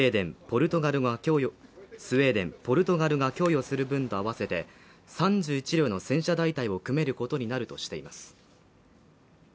スウェーデンポルトガルが供与する分と合わせて３１両の戦車大隊を組めることになるとしています。